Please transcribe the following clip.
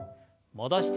戻して。